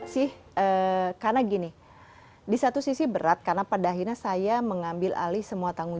sih karena gini di satu sisi berat karena pada akhirnya saya mengambil alih semua tanggung jawab